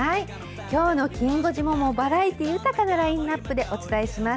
きょうのきん５時もバラエティ豊かなラインナップでお伝えします。